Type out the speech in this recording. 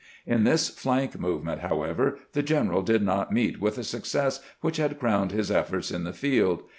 In this flank movement, however, the general did not meet with the success which had crowned his efforts in the field.